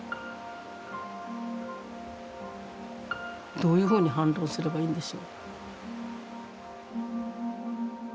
どういうふうに反論すればいいんでしょう。